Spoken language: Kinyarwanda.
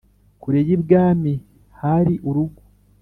kure y’ibwami hari urugo